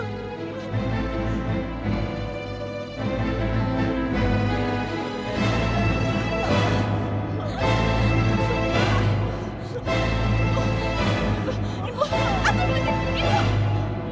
atuh lagi ibu